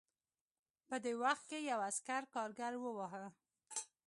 په دې وخت کې یو عسکر کارګر وواهه